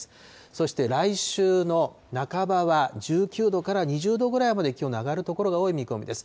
そして来週の半ばは１９度から２０度ぐらいまで気温の上がる所が多い見込みです。